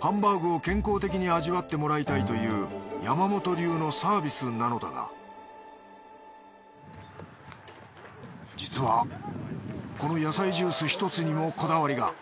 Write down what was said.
ハンバーグを健康的に味わってもらいたいという山本流のサービスなのだが実はこの野菜ジュースひとつにもこだわりが。